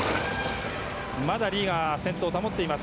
まだリーが先頭を保っています。